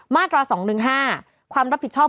มาตรา๒๑๕ความรับผิดชอบ